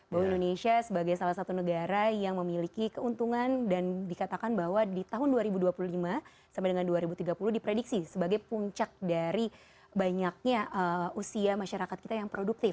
bahwa indonesia sebagai salah satu negara yang memiliki keuntungan dan dikatakan bahwa di tahun dua ribu dua puluh lima sampai dengan dua ribu tiga puluh diprediksi sebagai puncak dari banyaknya usia masyarakat kita yang produktif